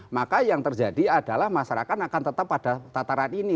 maka yang terjadi adalah masyarakat akan tetap pada tataran ini